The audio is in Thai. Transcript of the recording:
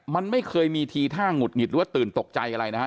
มันไม่เคยมีทีท่าหงุดหงิดหรือว่าตื่นตกใจอะไรนะฮะ